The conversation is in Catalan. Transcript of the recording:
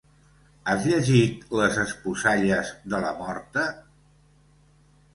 Has llegit "Les esposalles de la morta"?